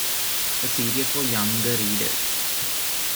A series for younger readers.